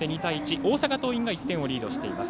大阪桐蔭が１点をリードしています。